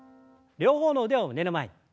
両方の腕を胸の前に。